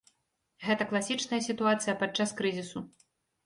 Гэта класічная сітуацыя падчас крызісу.